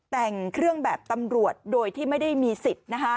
แต่งเครื่องแบบตำรวจโดยที่ไม่ได้มีสิทธิ์